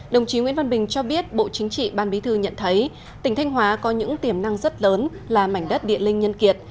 đồng chí nguyễn văn bình cho biết bộ chính trị ban bí thư nhận thấy tỉnh thanh hóa có những tiềm năng rất lớn là mảnh đất địa linh nhân kiệt